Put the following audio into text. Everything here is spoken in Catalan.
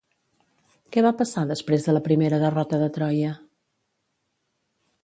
Què va passar després de la primera derrota de Troia?